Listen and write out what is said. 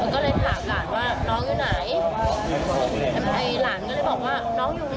ตอนนั้นกระลอดขึ้นแล้วเอาให้ทีมือก็เลยถามอาหารว่าน้องอยู่ไหน